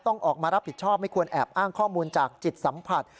ต้องออกมารับผิดชอบไม่ควรแอบอ้างข้อมูลจากจิตสัมผัส